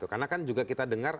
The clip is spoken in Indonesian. karena kan juga kita dengar